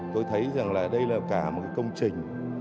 tôi thấy rằng đây là cả một công trình